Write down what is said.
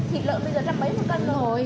thịt lợn bây giờ trăm mấy một cân rồi